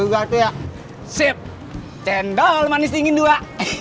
kue gati ya sip cendol manis dingin dua